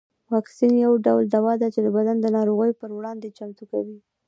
واکسین یو ډول دوا ده چې بدن د ناروغیو پر وړاندې چمتو کوي